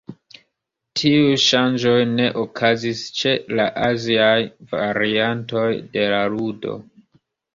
Tiuj ŝanĝoj ne okazis ĉe la aziaj variantoj de la ludo.